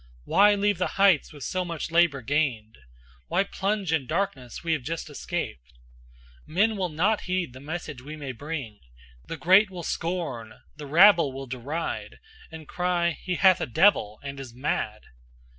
Why leave the heights with so much labor gained? Why plunge in darkness we have just escaped? Men will not heed the message we may bring. The great will scorn, the rabble will deride, And cry 'He hath a devil and is mad.'"